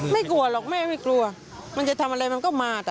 ไม่กลัวหรอกแม่ไม่กลัวมันจะทำอะไรมันก็มาแต่